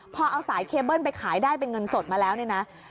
พอเอาสายเคเบิ้ลไปขายได้เป็นเงินสดมาแล้วเนี่ยนะ